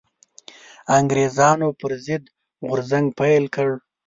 انګرېزانو پر ضد غورځنګ پيل کړ